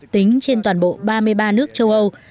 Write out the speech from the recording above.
tính trên toàn bộ ba mươi ba nước châu âu